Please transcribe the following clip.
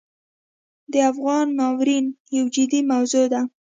د افغانۍ ناورین یو جدي موضوع ده.